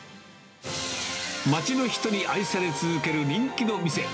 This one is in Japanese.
町の人に愛され続ける人気の店。